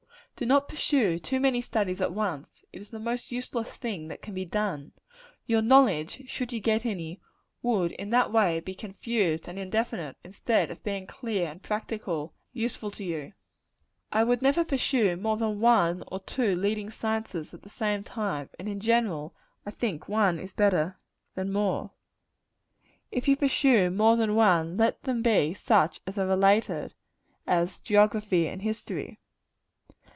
Do not pursue too many studies at once: it is the most useless thing that can be done. Your knowledge, should you get any, would in that way be confused and indefinite, instead of being clear, and practical, and useful to you. I would never pursue more than one or two leading sciences at one time; and in general, I think that one is better than more. If you pursue more than one, let them be such as are related; as geography and history.